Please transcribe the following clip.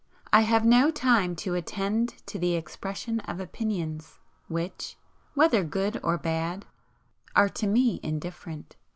I have no time to attend to the expression of opinions, which, whether good or bad, are to me indifferent.